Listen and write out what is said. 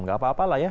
tidak apa apa lah ya